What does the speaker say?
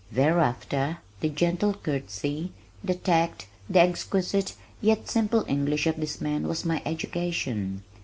Thereafter the gentle courtesy, the tact, the exquisite, yet simple English of this man was my education.